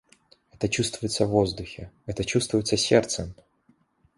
Это чувствуется в воздухе, это чувствуется сердцем.